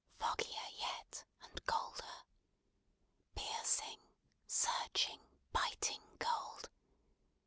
Foggier yet, and colder. Piercing, searching, biting cold.